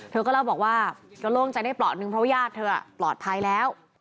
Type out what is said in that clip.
เธอก็เล่าบอกว่าก็โล่งใจได้เปราะนึงเพราะว่าญาติเธอปลอดภัยแล้ว